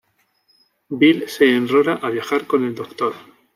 Bill se enrola a viajar con el Doctor.